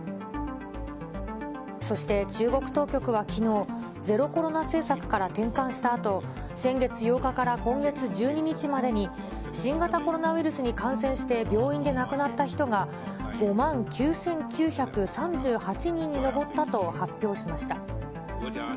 そして中国当局はきのう、ゼロコロナ政策から転換したあと、先月８日から今月１２日までに、新型コロナウイルスに感染して病院で亡くなった人が、５万９９３８人に上ったと発表しました。